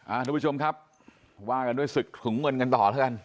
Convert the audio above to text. ทุกผู้ชมครับว่ากันด้วยศึกถุงเงินกันต่อแล้วกัน